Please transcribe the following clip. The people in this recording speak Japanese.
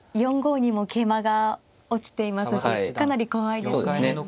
４五にも桂馬が落ちていますしかなり怖いですね。